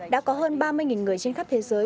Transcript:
đã có hơn ba mươi người trên khắp thế giới